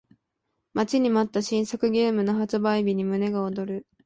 待ちに待った新作ゲームの発売日に胸が躍る